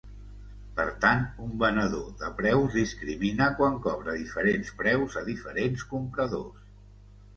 Per tant, un venedor de preus discrimina quan cobra diferents preus a diferents compradors.